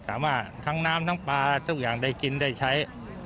ทั้งน้ำทั้งปลาทุกอย่างได้กินได้ใช้